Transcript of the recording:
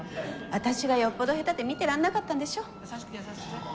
私がよっぽど下手で見てらんなかったんでしょ。